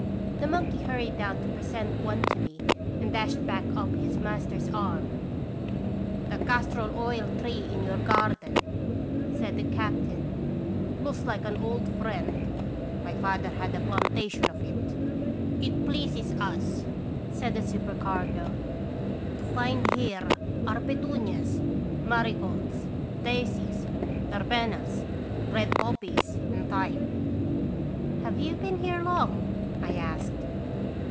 The monkey hurried down to present one to me and dashed back up his master's arm. " The castor oil tree in your garden," said the captain, "looks like an old friend. My father had a plantation of it." & radons Visitation. 157 " It pleases us," said the supercargo, "to find here our petunias, marigolds, daisies, ver benas, red poppies and thyme." "Have you been here long?" I asked.